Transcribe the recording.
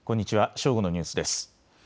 正午のニュースです。